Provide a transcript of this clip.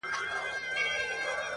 سیاه پوسي ده، جنگ دی جدل دی.